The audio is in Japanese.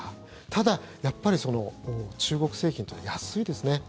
ただ、やっぱり中国製品というのは安いですね。